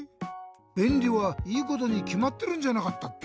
べんりはいいことにきまってるんじゃなかったっけ？